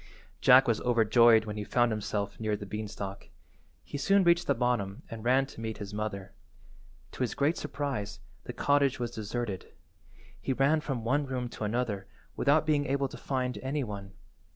Jack was overjoyed when he found himself near the beanstalk. He soon reached the bottom and ran to meet his mother. To his great surprise the cottage was deserted. He ran from one room to another without being able to find any one.